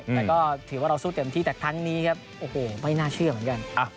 แต่ก็ถือว่าเราสู้เต็มที่แต่ครั้งนี้ครับโอ้โหไม่น่าเชื่อเหมือนกัน